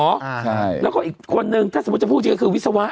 ใช่แล้วก็อีกคนนึงถ้าสมมุติจะพูดจริงก็คือวิศวะ